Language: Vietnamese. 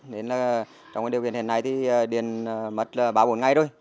nên là trong điều kiện hiện nay thì điện mất là ba bốn ngày rồi